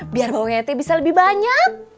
biar bawangnya te bisa lebih banyak